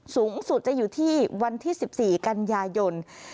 สูงสุดจะอยู่ที่วันที่๑๔กันยายน